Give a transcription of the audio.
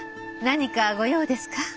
何か御用ですか？